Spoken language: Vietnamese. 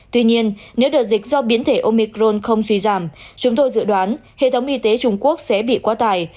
tuy nhiên nếu đợt dịch do biến thể omicron không suy giảm chúng tôi dự đoán hệ thống y tế trung quốc sẽ bị quá tài